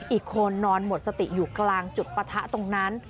อีกคนนอนหมดสติอยู่กลางจุดปะทะตรงนั้น